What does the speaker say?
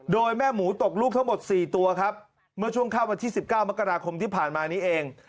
โดยแม่หมูตกลูกทั้งหมด๔ตัวครับเมื่อช่วงเข้าวันที่๑๙มกราคมที่ผ่านมานี้เอง